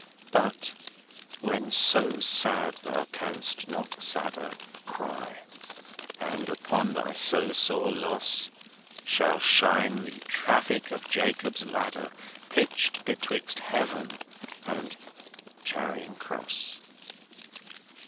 But (when so sad thou canst not sadder)Cry;—and upon thy so sore lossShall shine the traffic of Jacob's ladderPitched betwixt Heaven and Charing Cross.